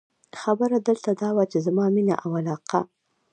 خبره دلته دا وه، چې زما مینه او علاقه.